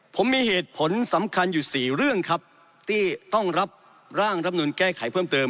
ผมมีเหตุผลสำคัญอยู่๔เรื่องครับที่ต้องรับร่างรับนูลแก้ไขเพิ่มเติม